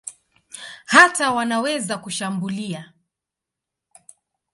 Hata wanaweza kushambulia.